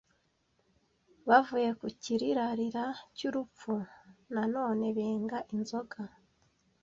Bavuye ku kirirarira cy’urupfu nanone benga inzoga